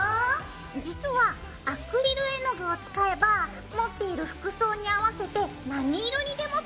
実はアクリル絵の具を使えば持っている服装に合わせて何色にでも染められちゃうんだよ。